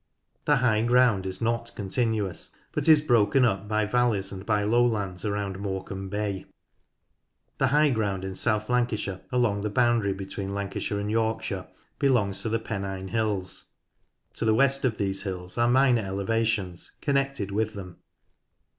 The high ground is not continuous, but is broken up by valleys and by lowlands around Morccambe Bay. The high ground in South Lancashire along the boundary between Lancashire and 8 NORTH LANCASHIRE Yorkshire belongs to the Pennine Hills ; to the west of these hills are minor elevations connected with them.